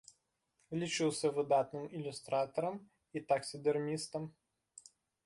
Лічыўся выдатным ілюстратарам і таксідэрмістам.